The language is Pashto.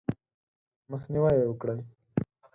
مخنیوی یې وکړئ :